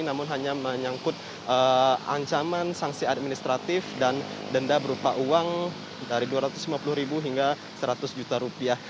namun hanya menyangkut ancaman sanksi administratif dan denda berupa uang dari dua ratus lima puluh ribu hingga seratus juta rupiah